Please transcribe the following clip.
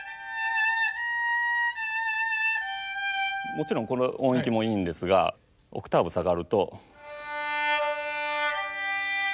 もちろんこの音域もいいんですがオクターブ下がると。